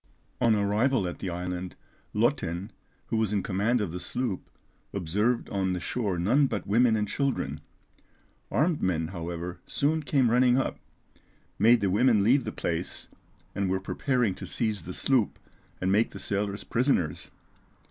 On arrival at the island, Lottin, who was in command of the sloop, observed on the shore none but women and children; armed men, however, soon came running up, made the women leave the place, and were preparing to seize the sloop and make the sailors prisoners.